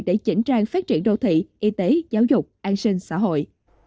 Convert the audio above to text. để chỉnh trang phát triển đô thị y tế giáo dục an sinh xã hội